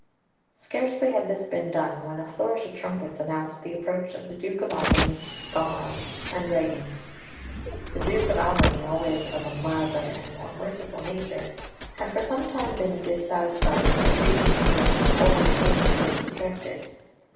Scarcely had this been done when a flourish of trumpets announced the approach of the Duke of Albany, Goneril, and Regan. The Duke of Albany, always of a milder and more merciful nature, had for some time been dissatisfied with the treatment to which the poor old King had been subjected.